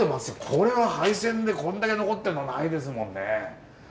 これは廃線でこんだけ残ってるのはないですもんね。